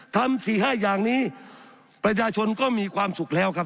ทำ๔๕อย่างนี้ประชาชนก็มีความสุขแล้วครับ